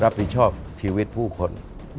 รับผิดชอบชีวิตผู้คน